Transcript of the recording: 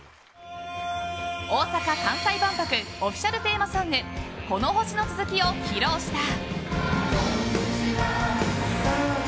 大阪・関西万博オフィシャルテーマソング「この地球の続きを」を披露した。